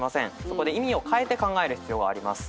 そこで意味をかえて考える必要があります。